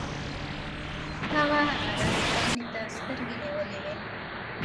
هغه عرض پاڼې ته سترګې نیولې دي.